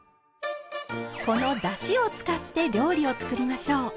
このだしを使って料理を作りましょう。